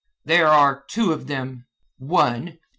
There are two of them. One!